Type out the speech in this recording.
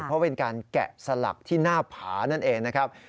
เพราะเป็นการแกะสลักที่หน้าผานั่นเองนะครับ